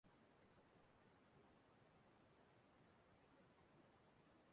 ime ka mmadụ na-akpa aghara